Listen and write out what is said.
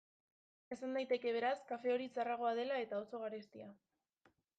Esan daiteke, beraz, kafe hori txarragoa dela eta oso garestia.